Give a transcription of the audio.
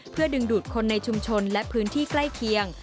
เพื่อดึงดูดคนในชุมชนและพื้นที่ใกล้เคียง